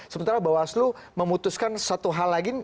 sementara bawaslu memutuskan satu hal lagi